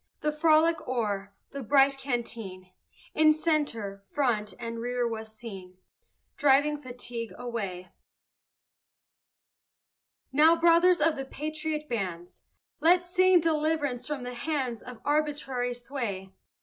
The frolic o'er, the bright canteen, In centre, front, and rear was seen Driving fatigue away. Now, brothers of the patriot bands, Let's sing deliverance from the hands Of arbitrary sway.